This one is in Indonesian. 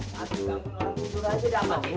masih ganggu orang tidur aja udah apaan sih